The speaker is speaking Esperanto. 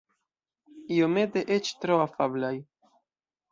Iomete eĉ tro afablaj.